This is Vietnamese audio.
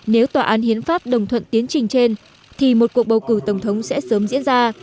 nếu tòa án hiến pháp đồng thuận tiến trình trên thì một cuộc bầu cử tổng thống sẽ sớm diễn ra